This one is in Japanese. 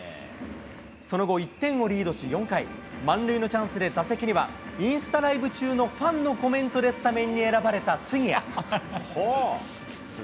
その後、１点をリードし４回、満塁のチャンスで、打席には、インスタライブ中のファンのコメントでスタメンに選ばれた杉谷。